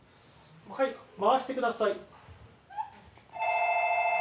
はい回してください